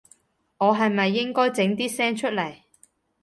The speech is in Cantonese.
我係咪應該整啲聲出來